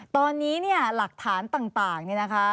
ตอนนี้เนี่ยหลักฐานต่างเนี่ยนะคะ